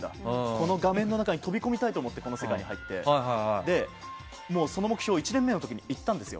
この画面に飛び込みたいと思ってこの世界に入って、その目標を１年目の時に言ったんですよ。